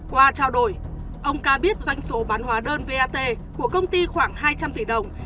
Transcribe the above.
qua trao đổi ông ca biết doanh số bán hóa đơn vat của công ty khoảng hai trăm linh tỷ đồng